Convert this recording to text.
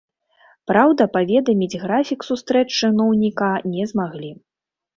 Праўда, паведаміць графік сустрэч чыноўніка не змаглі.